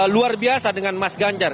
luar biasa dengan mas ganjar